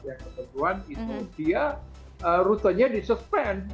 yang kebetulan itu dia rutenya di suspend